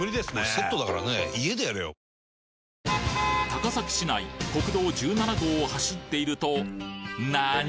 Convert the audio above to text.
高崎市内国道１７号を走っていると何！？